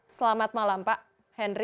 selamat malam pak henry